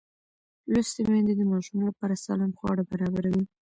لوستې میندې د ماشوم لپاره سالم خواړه برابروي.